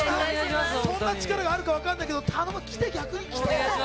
そんな力があるか分かんないけど、頼む、来て、逆に来て。